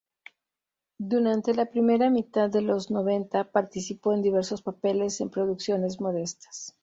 Durante la primera mitad de los noventa, participó en diversos papeles en producciones modestas.